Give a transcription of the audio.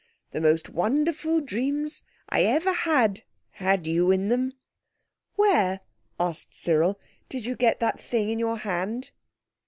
"The most wonderful dreams I ever had had you in them." "Where," asked Cyril, "did you get that thing in your hand?"